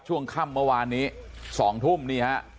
ช่วงค่ำเมื่อวานนี้๒ทุ่มนี่ฮะ